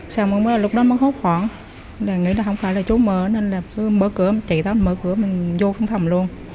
xong rồi lúc đó mình hốt khoảng mình nghĩ là không phải là chốt mở nên là cứ mở cửa mình chạy tới mở cửa mình vô phòng luôn